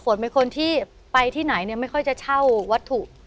เป็นคนที่ไปที่ไหนเนี่ยไม่ค่อยจะเช่าวัตถุ